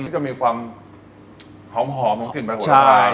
จะมีความหอมของกลิ่นประโยชน์นะครับ